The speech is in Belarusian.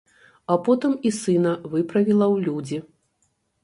А потым і сына выправіла ў людзі.